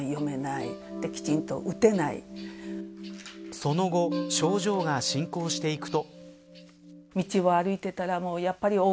その後、症状が進行していくと。